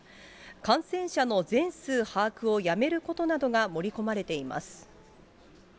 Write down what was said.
感染者の全数把握をやめることなどが盛り込まれています。